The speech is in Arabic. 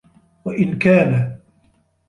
وَإِنْ كَانَ